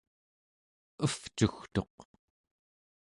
evcugtuq